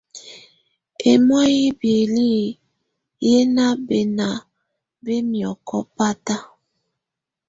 Ɛ́mɔ̀á yɛ́ biǝ́li ƴɛ́ ná bɛ́ná bɛ́ miɔ̀kɔ báta.